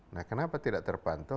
nah kenapa tidak terpantau